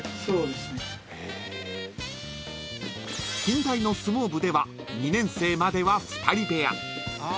［近大の相撲部では２年生までは２人部屋］